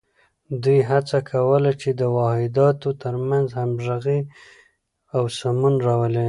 دوی هڅه کوله چې د واحداتو تر منځ همغږي او سمون راولي.